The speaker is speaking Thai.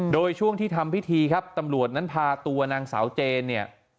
โดยช่วงที่ทำพิธีครับตำรวจนั้นพาตัวนางสาวเจนเนี่ย